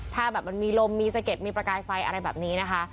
ถ้าแบบมันมีลมมีสะเด็ดมีประกายไฟอะไรแบบนี้นะคะ